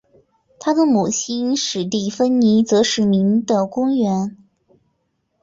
他的母亲史蒂芬妮则是名的员工。